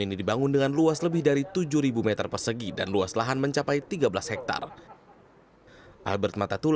ini dibangun dengan luas lebih dari tujuh ribu meter persegi dan luas lahan mencapai tiga belas hektare